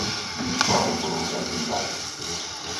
Discorre por un fértil val.